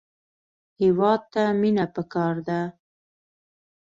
هېواد ته مینه پکار ده